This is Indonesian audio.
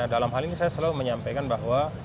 dalam hal ini saya selalu menyampaikan bahwa